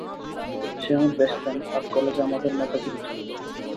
সে আমার best friend আর কলেজে আমাদের নেতাগিরি চলে।